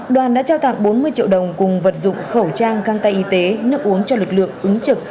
đoàn đã trao tặng bốn mươi triệu đồng cùng vật dụng khẩu trang găng tay y tế nước uống cho lực lượng ứng trực